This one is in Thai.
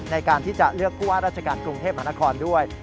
ในการที่จะเลือกกลัวราชการกรุงเทพมนาคอลด้วย